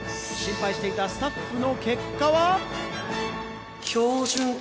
心配していたスタッフの結果は。